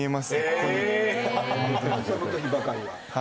そのときばかりは。